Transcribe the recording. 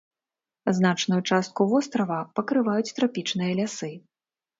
Значную частку вострава пакрываюць трапічныя лясы.